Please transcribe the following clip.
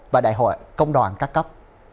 và đại hội công đoàn cắt tóc